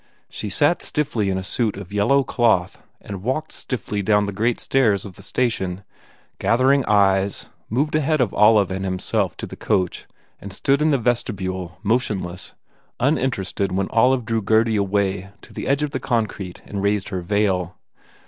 She sat stiffly in a suit of yellow cloth and walked stiffly down the great stairs of the station, gathering eyes, moved ahead of Olive and himself to the coach and stood in the vestibule, motionless, un interested when Olive drew Gurdy away to the edge of the concrete and raised her veil.